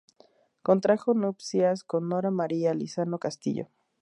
Contrajo nupcias con Nora María Lizano Castillo.